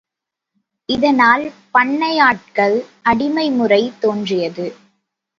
இதனால் பண்ணையாட்கள் அடிமை முறை தோன்றியது.